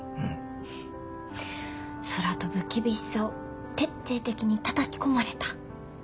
空飛ぶ厳しさを徹底的にたたき込まれた。